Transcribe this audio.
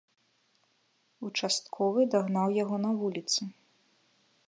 Участковы дагнаў яго на вуліцы.